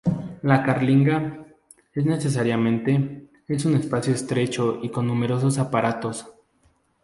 La carlinga es, necesariamente, es un espacio estrecho y con numerosos aparatos.